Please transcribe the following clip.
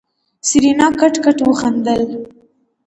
سېرېنا کټ کټ وخندل.